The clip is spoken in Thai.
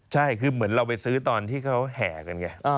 ใช่คือเหมือนเราไปซื้อตอนที่เขาแห่กันไง